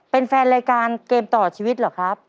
เป็นแฟนรายการเกมต่อชีวิตเหรอครับ